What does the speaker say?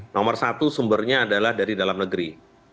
nomor satu sumbernya adalah dari dalam negeri